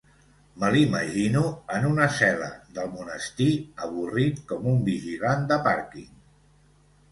Me l'imagino en una cel·la del monestir avorrit com un vigilant de pàrquing.